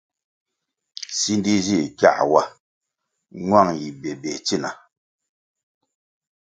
Sindi zih kiā wa, ñuang yi bébéh tsina.